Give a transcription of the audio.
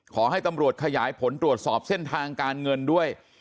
ขอให้ตำรวจขยายผลตรวจสอบเส้นทางการเงินด้วย